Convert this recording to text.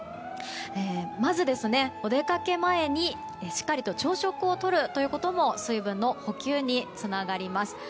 まず、お出かけ前にしっかりと朝食をとることも水分の補給につながります。